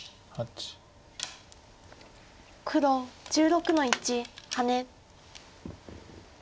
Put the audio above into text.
黒１６の一ハネ。